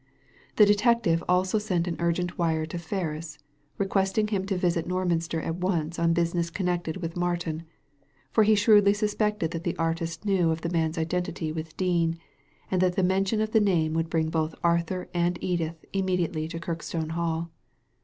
The detective also sent an urgent wire to Ferris, requesting him to visit Norminster at once on business connected with Mar tin ; for he shrewdly suspected that the artist knew of the man's identity with Dean, and that the mention of the name would bring both Arthur and Edith im mediately to Kirkstone Hall.